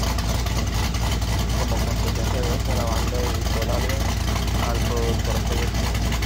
Como consecuencia de esto, la banda dedicó el álbum al productor fallecido.